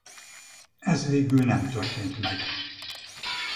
Ez végül nem történt meg.